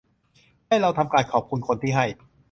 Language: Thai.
ให้เราทำการขอบคุณคนที่ให้